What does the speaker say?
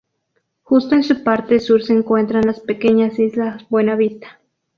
Justo en su parte sur se encuentran las pequeñas islas Buenavista.